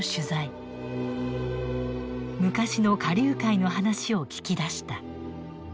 昔の花柳界の話を聞き出した。